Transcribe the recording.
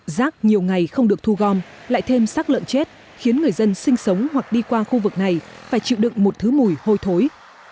rác nhiều ngày không được thu gom lại thêm sác lợn chết khiến người dân sinh sống hoặc đi qua khu vực này phải chịu đựng một thứ mùi hôi thối